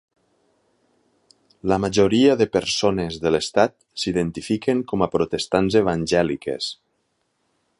La majoria de persones de l'estat s'identifiquen com a protestants evangèliques.